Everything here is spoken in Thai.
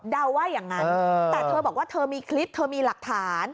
ว่าอย่างนั้นแต่เธอบอกว่าเธอมีคลิปเธอมีหลักฐาน